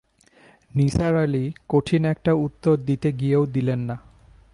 নিসার আলি কঠিন একটা উত্তর দিতে গিয়েও দিলেন না।